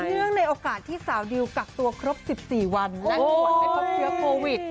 เนื่องในโอกาสที่สาวดิวกักตัวครบ๑๔วันและตรวจไม่พบเชื้อโควิด